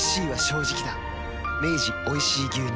明治おいしい牛乳